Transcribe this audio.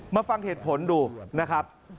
มาฟังเหตุผลดูนะครับ